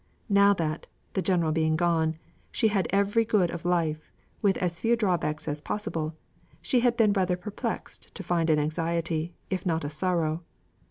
Now that, the General being gone, she had every good of life, with as few drawbacks as possible, she had been rather perplexed to find an anxiety, if not a sorrow.